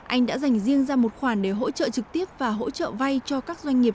anh đã dành riêng ra một khoản để hỗ trợ trực tiếp và hỗ trợ vay cho các doanh nghiệp